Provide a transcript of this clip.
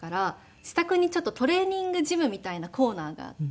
自宅にトレーニングジムみたいなコーナーがあって。